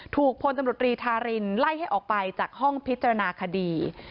พลตำรวจรีธารินไล่ให้ออกไปจากห้องพิจารณาคดี